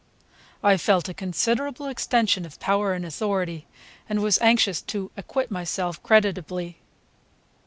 I felt a considerable extension of power and authority, and was anxious to acquit myself creditably.